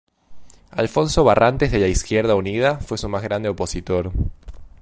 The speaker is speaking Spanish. Alfonso Barrantes de la Izquierda Unida fue su más grande opositor.